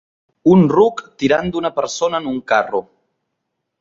Un ruc tirant d'una persona en un carro.